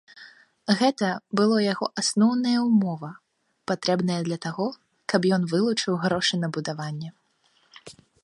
Гэта было яго асноўная ўмова, патрэбная для таго, каб ён вылучыў грошы на будаванне.